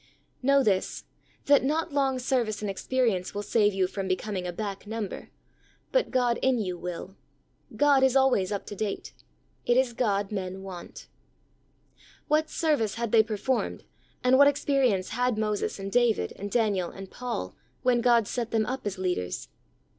Know this: that not long service and experience will save you from becoming a back number, but God in you will. God is always up to date. It is God men want. 42 THE soul winner's secret. What service had they performed, and what experience had Moses, and David, and Daniel, and Paul, when God set them up as leaders?